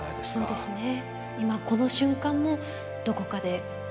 そうですよね。